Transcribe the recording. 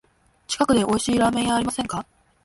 近くでおいしいラーメン屋ありませんか？